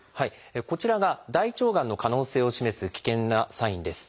こちらが大腸がんの可能性を示す危険なサインです。